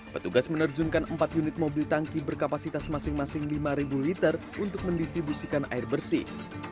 petugas menerjunkan empat unit mobil tangki berkapasitas masing masing lima liter untuk mendistribusikan air bersih